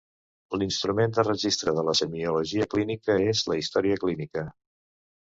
L'instrument de registre de la semiologia clínica és la història clínica.